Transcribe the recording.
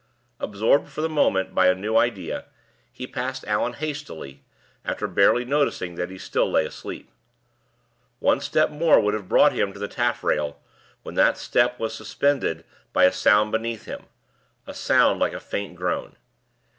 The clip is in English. Absorbed for the moment by the new idea, he passed Allan hastily, after barely noticing that he still lay asleep. One step more would have brought him to the taffrail, when that step was suspended by a sound behind him, a sound like a faint groan.